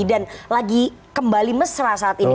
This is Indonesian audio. dan lagi kembali mesra saat ini